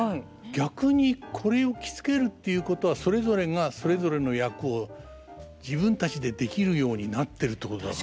逆にこれを着付けるっていうことはそれぞれがそれぞれの役を自分たちでできるようになってるってことだから。